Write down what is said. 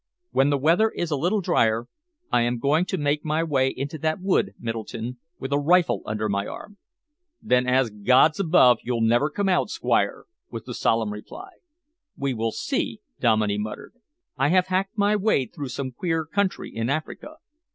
"When the weather is a little drier, I am going to make my way into that wood, Middleton, with a rifle under my arm." "Then as God's above, you'll never come out, Squire!" was the solemn reply. "We will see," Dominey muttered. "I have hacked my way through some queer country in Africa."